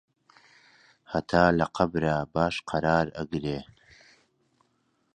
هەتا لە قەبرا باش قەرار ئەگرێ